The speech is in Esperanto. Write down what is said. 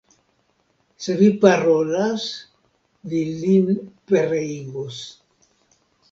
Se vi parolas, vi lin pereigos.